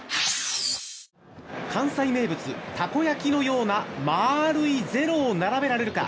関西名物たこ焼きのような丸い０を並べられるか。